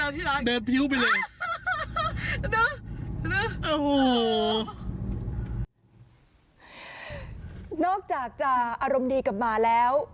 จากภารกิจนาทีอารมณ์ดีกลับมาแล้ว